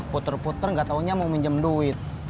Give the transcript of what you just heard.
puter puter nggak taunya mau minjem duit